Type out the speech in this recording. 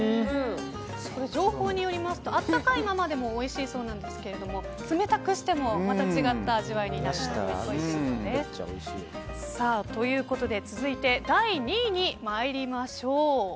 情報によりますと温かいままでもおいしいそうですが冷たくしてもまた違った味わいになって、おいしいそうです。ということで続いて第２位に参りましょう。